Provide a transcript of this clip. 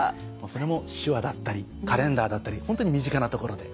それも手話だったりカレンダーだったりホントに身近な所で。